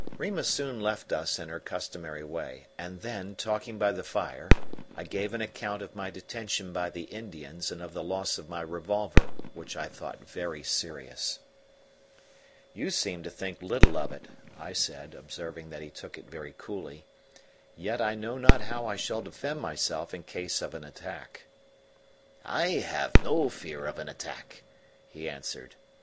Rima soon left us in her customary way, and then, talking by the fire, I gave an account of my detention by the Indians and of the loss of my revolver, which I thought very serious. "You seem to think little of it," I said, observing that he took it very coolly. "Yet I know not how I shall defend myself in case of an attack." "I have no fear of an attack," he answered.